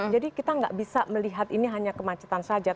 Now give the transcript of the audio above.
jadi kita tidak bisa melihat ini hanya kemacetan saja